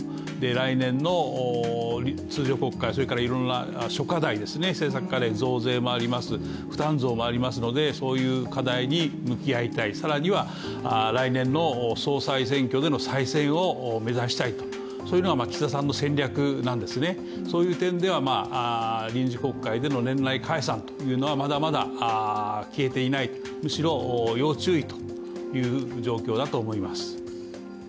来年の通常国会、それからいろいろな諸課題政策課題、増税もあります、負担増もありますので、そういう課題に向き合いたい更には来年の総裁選挙での再選を目指したいとそういうのが岸田さんの戦略なんですね、そういう点では臨時国会での年内解散というのは、まだまだ消えていない、むしろ要注意という状況だと思います。